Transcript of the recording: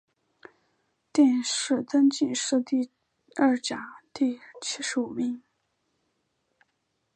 殿试登进士第二甲第七十五名。